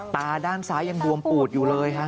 ตาด้านซ้ายยังบวมปูดอยู่เลยฮะ